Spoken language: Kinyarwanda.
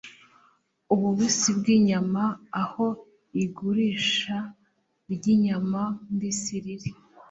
ububisi bw inyama aho igurisha ry inyama mbisi riri